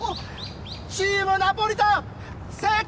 チームナポリタン正解！